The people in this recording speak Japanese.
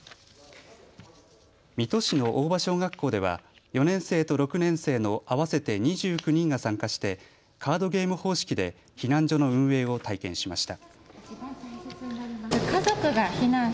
水戸市の大場小学校では４年生と６年生の合わせて２９人が参加してカードゲーム方式で避難所の運営を体験しました。